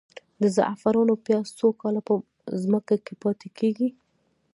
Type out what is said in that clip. د زعفرانو پیاز څو کاله په ځمکه کې پاتې کیږي؟